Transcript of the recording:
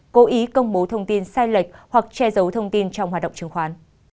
cố ý công bố thông tin sai lệch hoặc che giấu thông tin trong hoạt động chứng khoán